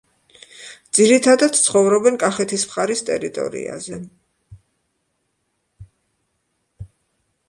ძირითადად ცხოვრობენ კახეთის მხარის ტერიტორიაზე.